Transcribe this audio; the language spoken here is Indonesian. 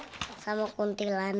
di laut sama kuntilan